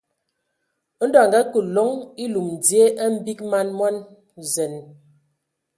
Ndɔ a ngakǝ loŋ elum dzie a mgbig man mo zen.